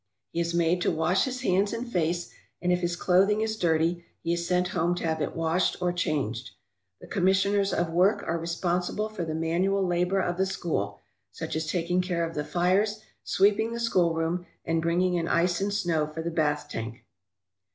He is made to wash his hands and face, and if his clothing is dirty he is sent home to have it washed or changed. The commissioners of work are responsible for the manual labour of the school, such as taking care of the fires, sweep ing the schoolroom, and bringing in ice and snow for the bath tank.